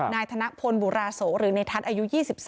นายธนโพนบุราโสอายุ๒๓